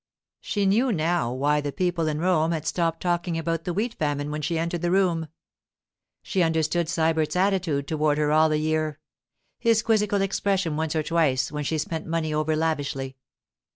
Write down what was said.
She knew now why the people in Rome had stopped talking about the wheat famine when she entered the room. She understood Sybert's attitude toward her all the year—his quizzical expression once or twice when she spent money over lavishly.